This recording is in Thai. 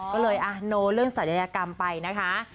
ก็เลยโนเรื่องศัลยกรรมไปนะคะ